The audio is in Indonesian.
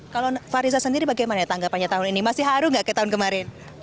kalau fariza sendiri bagaimana tanggapannya tahun ini masih haru nggak ke tahun kemarin